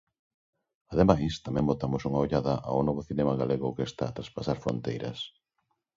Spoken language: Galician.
Ademais, tamén botamos unha ollada ao novo cinema galego que está a traspasar fronteiras.